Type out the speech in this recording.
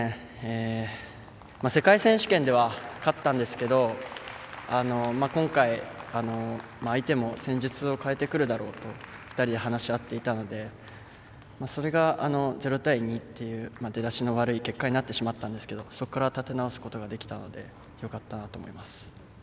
世界選手権では勝ったんですけど今回、相手も戦術を変えてくるだろうと２人で話し合っていたのでそれが、０対２っていう出だしの悪い結果になってしまったんですけどそこから立て直すことができてよかったなと思います。